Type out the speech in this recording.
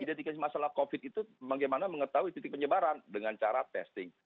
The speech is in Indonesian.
identifikasi masalah covid itu bagaimana mengetahui titik penyebaran dengan cara testing